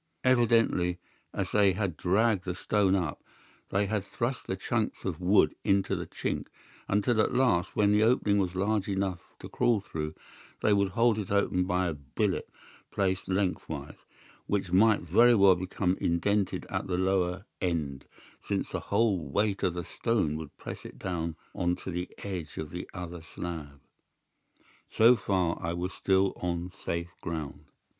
Evidently, as they had dragged the stone up they had thrust the chunks of wood into the chink, until at last, when the opening was large enough to crawl through, they would hold it open by a billet placed lengthwise, which might very well become indented at the lower end, since the whole weight of the stone would press it down on to the edge of this other slab. So far I was still on safe ground.